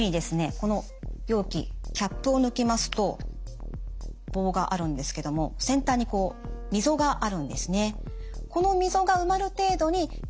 この容器キャップを抜きますと棒があるんですけども先端にみぞがあるんですね。